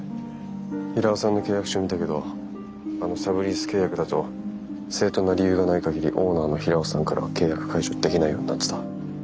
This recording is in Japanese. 平尾さんの契約書見たけどあのサブリース契約だと正当な理由がない限りオーナーの平尾さんからは契約解除できないようになってた。